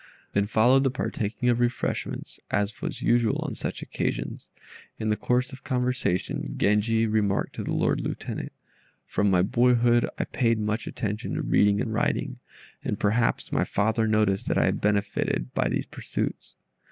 Then followed the partaking of refreshments, as was usual on such occasions. In the course of conversation, Genji remarked to the Lord Lieutenant, "From my boyhood I paid much attention to reading and writing, and perhaps my father noticed that I had benefited by these pursuits.